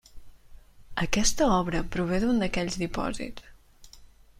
Aquesta obra prové d'un d'aquells dipòsits.